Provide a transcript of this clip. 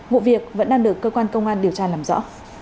vụ việc vẫn đang được cơ quan công an điều tra làm rõ